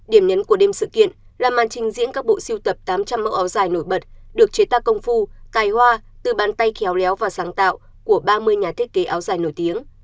điểm nhấn của đêm sự kiện là màn trình diễn các bộ siêu tập tám trăm linh mẫu áo dài nổi bật được chế tác công phu tài hoa từ bàn tay khéo léo và sáng tạo của ba mươi nhà thiết kế áo dài nổi tiếng